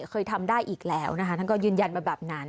เคยทำได้อีกแล้วนะคะท่านก็ยืนยันมาแบบนั้น